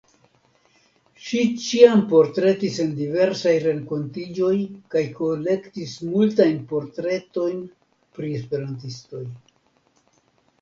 Ŝi ĉiam portretis en diversaj renkontiĝoj kaj kolektis multajn portretojn pri esperantistoj.